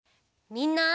みんな！